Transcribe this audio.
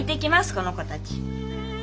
この子たち。